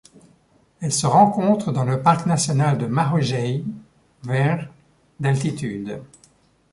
Elle se rencontre dans le parc national de Marojejy vers d'altitude.